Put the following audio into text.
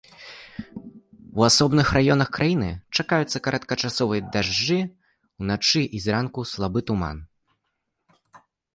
У асобных раёнах краіны чакаюцца кароткачасовыя дажджы, уначы і зранку слабы туман.